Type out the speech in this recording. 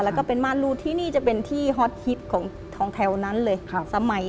แล้วก็เป็นม่านรูดที่นี่จะเป็นที่ฮอตฮิตของแถวนั้นเลย